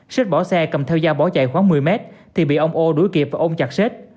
xết bỏ xe cầm theo dao bỏ chạy khoảng một mươi mét thì bị ông âu đuổi kịp và ôm chặt xết